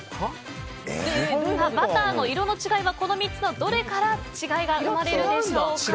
バターの色の違いはこの３つのどれから違いが生まれるでしょうか。